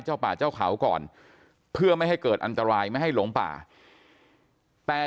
เจ้าป่าเจ้าเขาก่อนเพื่อไม่ให้เกิดอันตรายไม่ให้หลงป่าแต่